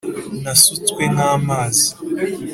Nasutswe nk amazi